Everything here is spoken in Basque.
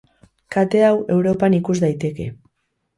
Kate hau Europan ikus daiteke.